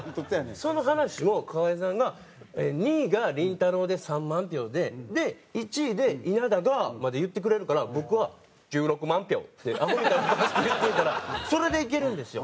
その話を河井さんが「２位がりんたろー。で３万票で１位で稲田が」まで言ってくれるから僕は「１６万票」ってアホみたいな顔して言っといたらそれでいけるんですよ。